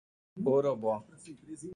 Orobó